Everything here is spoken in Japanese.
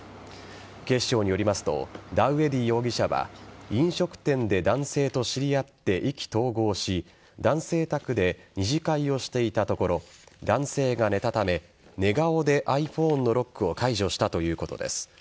警視庁によりますとダウエディ容疑者は飲食店で男性と知り合って意気投合し男性宅で二次会をしていたところ男性が寝たため寝顔でｉＰｈｏｎｅのロックを解除したということです。